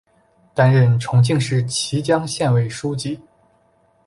担任重庆市綦江县委书记。